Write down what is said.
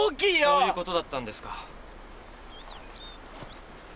・そういうことだったんですか。